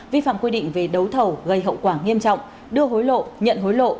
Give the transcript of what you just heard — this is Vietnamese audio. vi phạm quy định về đấu thầu gây hậu quả nghiêm trọng đưa hối lộ nhận hối lộ